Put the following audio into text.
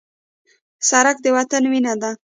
سړک د وطن وینه ده.